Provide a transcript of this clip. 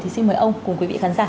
thì xin mời ông cùng quý vị khán giả